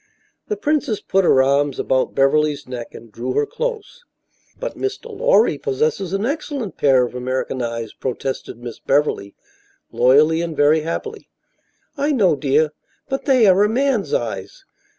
The princess put her arms about Beverly's neck and drew her close. "But Mr. Lorry possesses an excellent pair of American eyes," protested Miss Beverly, loyally and very happily. "I know, dear, but they are a man's eyes.